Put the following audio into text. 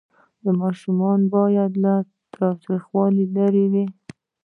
ماشومان باید له تاوتریخوالي لرې وي.